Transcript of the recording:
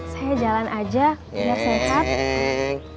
saya jalan aja biar sehat